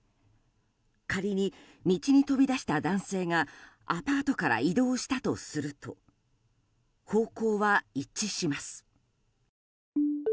仮に、道に飛び出した男性がアパートから移動したとすると方向は一致します。